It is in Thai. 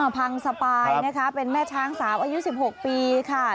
พังสปายนะคะเป็นแม่ช้างสาวอายุ๑๖ปีค่ะ